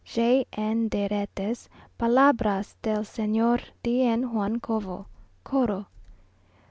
J. N. DE RETES; Palabras del Sr. DN. JUAN COVO. CORO.